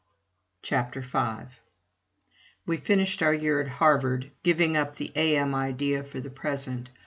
CHAPTER V We finished our year at Harvard, giving up the A.M. idea for the present.